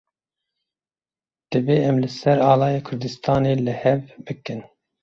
Divê em li ser alaya Kurdistanê li hev bikin.